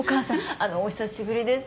あのお久しぶりです。